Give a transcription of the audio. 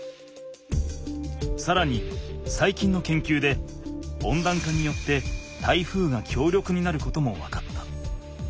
さらにさいきんの研究で温暖化によって台風が強力になることも分かった。